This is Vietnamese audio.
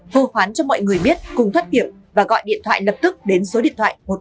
hô hoán cho mọi người biết cùng thoát hiểm và gọi điện thoại lập tức đến số điện thoại một trăm một mươi bốn